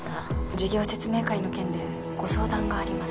事業説明会の件でご相談があります